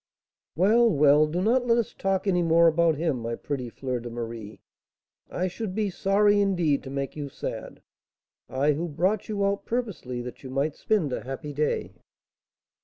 "Well, well, do not let us talk any more about him, my pretty Fleur de Marie. I should be sorry, indeed, to make you sad, I, who brought you out purposely that you might spend a happy day."